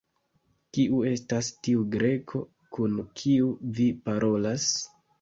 Kiu estas tiu Greko, kun kiu vi parolas?